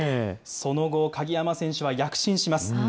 その後、鍵山選手は躍進します。